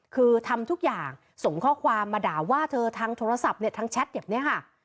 คือทำทุกอย่างส่งข้อความมาด่าว่าเธอทางโทรศัพท์เนี่ยทางแชทแบบนี้ค่ะ